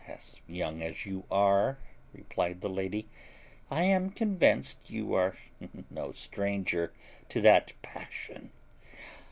"As young as you are," replied the lady, "I am convinced you are no stranger to that passion.